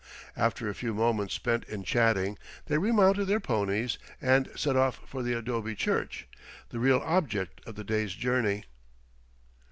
After a few moments spent in chatting, they remounted their ponies and set off for the adobe church, the real object of the day's journey.